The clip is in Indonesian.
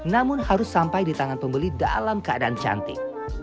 namun harus sampai di tangan pembeli dalam keadaan cantik